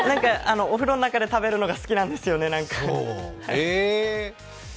お風呂の中で食べるのが好きなんですよね。